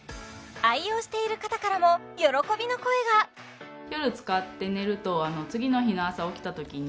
愛用している方からも喜びの声がうん